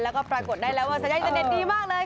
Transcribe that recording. แล้วก็ปรากฏได้แล้วว่าสัญญาณจะเด็ดดีมากเลย